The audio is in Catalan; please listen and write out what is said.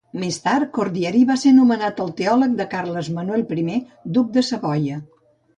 Més tard, Cordieri va ser nomenat el teòleg de Carles Manuel I, duc de Savoia.